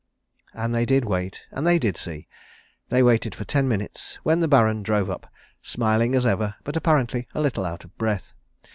And they did wait and they did see. They waited for ten minutes, when the Baron drove up, smiling as ever, but apparently a little out of breath.